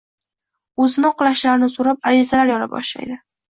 o‘zini oqlashlarini so‘rab arizalar yoza boshlaydi.